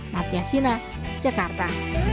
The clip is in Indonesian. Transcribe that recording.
matias sina jakarta